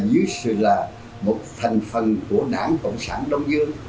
dưới sự là một thành phần của đảng cộng sản đông dương